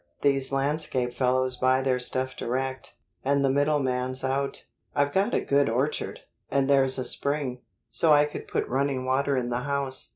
These landscape fellows buy their stuff direct, and the middleman's out. I've got a good orchard, and there's a spring, so I could put running water in the house.